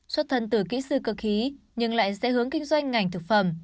xuất thân từ kỹ sư cơ khí nhưng lại dễ hướng kinh doanh ngành thực phẩm